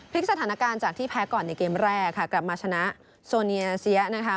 สถานการณ์จากที่แพ้ก่อนในเกมแรกค่ะกลับมาชนะโซเนียเซียนะคะ